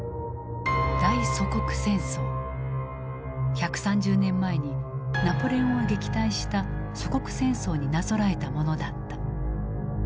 １３０年前にナポレオンを撃退した「祖国戦争」になぞらえたものだった。